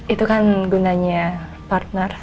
itu kan gunanya partner